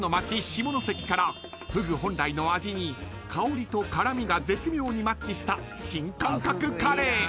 下関からフグ本来の味に香りと辛みが絶妙にマッチした新感覚カレー］